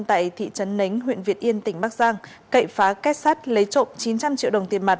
tại thị trấn nánh huyện việt yên tỉnh bắc giang cậy phá kết sát lấy trộm chín trăm linh triệu đồng tiền mặt